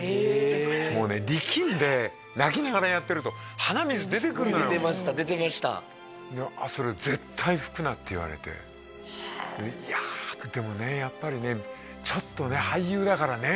もうね力んで泣きながらやってると鼻水出てくんのよ出てました出てましたそれ絶対拭くなって言われていやでもねやっぱりねちょっとね俳優だからね